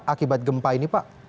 akibat gempa ini pak